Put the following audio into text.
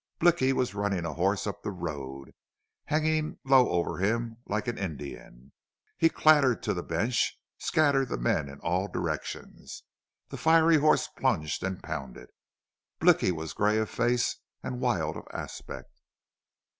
Blicky was running a horse up the road, hanging low over him, like an Indian. He clattered to the bench, scattered the men in all directions. The fiery horse plunged and pounded. Blicky was gray of face and wild of aspect.